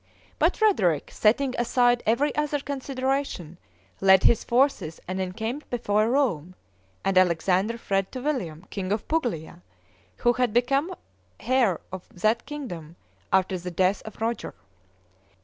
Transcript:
But Frederick, setting aside every other consideration, led his forces and encamped before Rome; and Alexander fled to William, king of Puglia, who had become hair of that kingdom after the death of Roger.